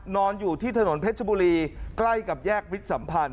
นอนอยู่ที่ถนนเพชรบุรีใกล้กับแยกวิทย์สัมพันธ